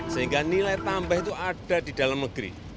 sehingga nilai tambah itu ada di dalam negeri